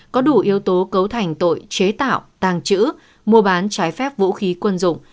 có đủ yếu tố cấu thành tội chế tạo tàng trữ mua bán trái phép vũ khí quân dụng